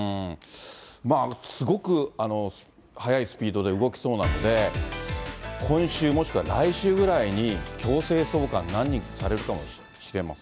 すごく速いスピードで動きそうなので、今週、もしくは来週ぐらいに強制送還、何人かされるかもしれません。